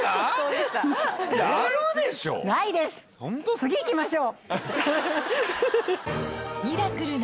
次行きましょう！